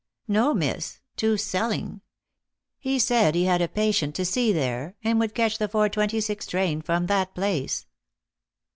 "No, Miss: to Selling. He said he had a patient to see there, and would catch the four twenty six train from that place."